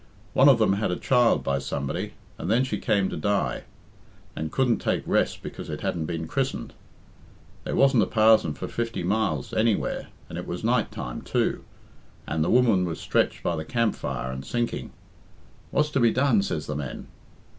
One of them had a child by somebody, and then she came to die, and couldn't take rest because it hadn't been christened. There wasn't a pazon for fifty miles, anywhere, and it was night time, too, and the woman was stretched by the camp fire and sinking. 'What's to be done?' says the men.